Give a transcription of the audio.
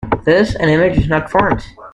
Thus, an 'image' is not formed.